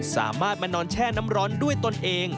สามารถมานอนแช่น้ำร้อนด้วยตนเอง